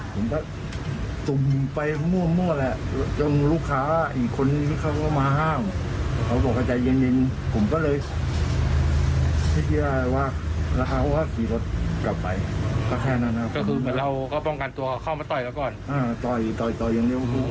ต่อยพี่กับฟ้าตู้ก็คือไม่รู้ตรงไหน